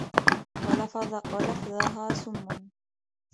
وَلَفْظَهَا سُمٌّ